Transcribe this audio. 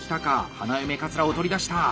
花嫁かつらを取り出した。